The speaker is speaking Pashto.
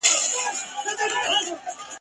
د آواز کیسې یې ولاړې تر ملکونو !.